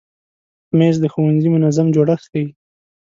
مېز د ښوونځي منظم جوړښت ښیي.